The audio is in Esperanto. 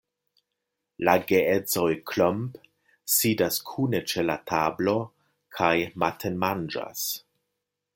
La geedzoj Klomp sidas kune ĉe la tablo kaj matenmanĝas.